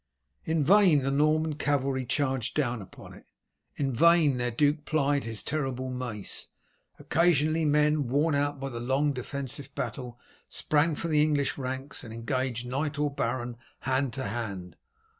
In vain the Norman cavalry charged down upon it, in vain their duke plied his terrible mace. Occasionally men worn out by the long defensive battle sprang from the English ranks and engaged knight or baron hand to hand.